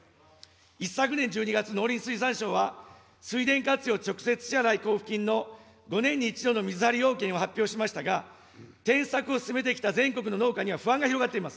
一昨年１２月、農林水産省は、水田活用直接支払交付金の５年に１度の水張り要件を発表しましたが、転作を進めてきた全国の農家には不安が広がっています。